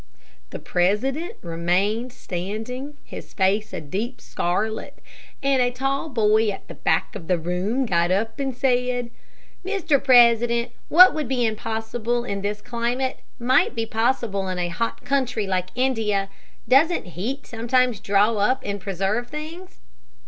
The president remained standing, his face a deep scarlet, and a tall boy at the back of the room got up and said, "Mr. President, what would be impossible in this climate, might be possible in a hot country like India. Doesn't heat sometimes draw up and preserve things?"